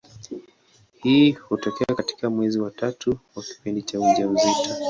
Hii hutokea katika mwezi wa tatu wa kipindi cha ujauzito.